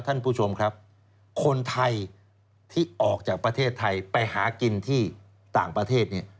ท่านผู้ชมครับคนไทยที่ออกจากประเทศไทยไปหากินที่ต่างประเทศเนี่ย